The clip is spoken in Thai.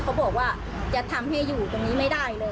เขาบอกว่าจะทำให้อยู่ตรงนี้ไม่ได้เลย